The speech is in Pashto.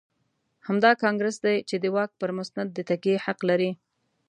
همدا کانګرېس دی چې د واک پر مسند د تکیې حق لري.